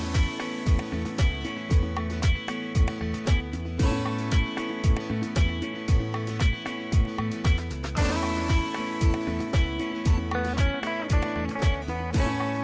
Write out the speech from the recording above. สวัสดีครับ